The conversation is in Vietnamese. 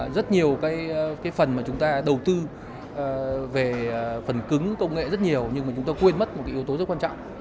rất nhiều cái phần mà chúng ta đầu tư về phần cứng công nghệ rất nhiều nhưng mà chúng ta quên mất một cái yếu tố rất quan trọng